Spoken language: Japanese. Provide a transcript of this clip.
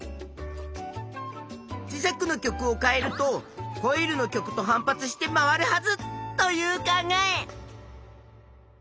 磁石の極を変えるとコイルの極と反発して回るはずという考え。